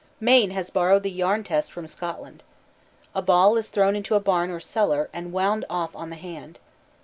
Maine has borrowed the yarn test from Scotland. A ball is thrown into a barn or cellar, and wound off on the hand.